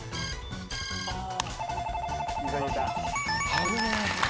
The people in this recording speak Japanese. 危ねえ。